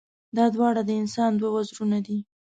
دا دواړه د انسان دوه وزرونه دي.